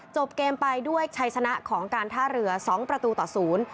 จบเกมไปด้วยชัยชนะของการท่าเรือสองประตูต่อศูนย์